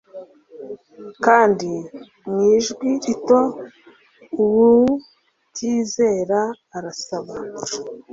Kandi mwijwi rito uwutizera arasaba